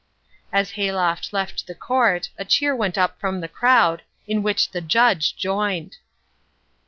As Hayloft left the court a cheer went up from the crowd, in which the judge joined.